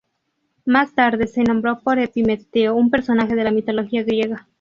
Más tarde se nombró por Epimeteo, un personaje de la mitología griega.